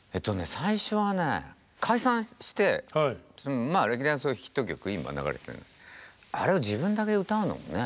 最初はね解散して歴代のヒット曲今流れてるのあれを自分だけ歌うのもね